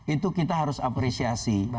itu kita harus apresiasi